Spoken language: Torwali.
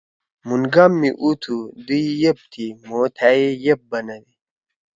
مُھن گام می اُو تُھو۔ دئی یب تھی۔ مھو تھأ یے یپ بنَدی۔